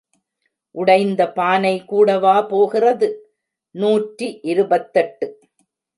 உடைந்த பானை கூடவா போகிறது? நூற்றி இருபத்தெட்டு.